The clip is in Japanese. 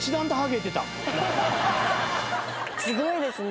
すごいですね。